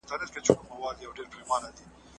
احمد شاه ابدالي څنګه د اړیکو پیاوړتیا ته پام کاوه؟